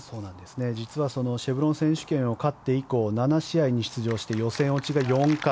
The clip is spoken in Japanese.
実はシェブロン選手権を勝って以降７試合に出場して予選落ちが４回。